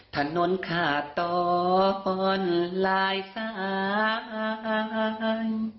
ถนนขาตอนลายสาย